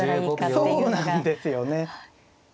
そうなんですよね。